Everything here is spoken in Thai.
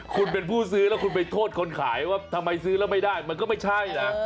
คุณเป็นผู้ซื้อแล้วคุณไปโทษคนขายว่าทำไมซื้อแล้วไม่ได้มันก็ไม่ใช่นะ